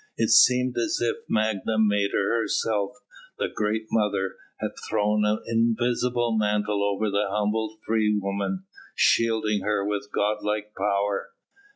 It seemed as if Magna Mater herself, the great Mother, had thrown an invisible mantle over the humble freedwoman, shielding her with god like power.